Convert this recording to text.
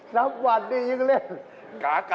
หนวดอ๋อได้ครับผม